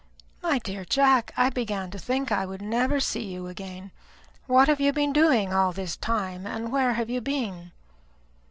"My dear Jack, I began to think I should never see you again. What have you been doing all this time, and where have you been?"